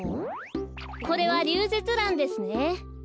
これはリュウゼツランですね。